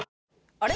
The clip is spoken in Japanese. あれ？